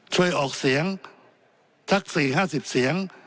ช่วยออกเสียงทักษีห้าสิบเสียง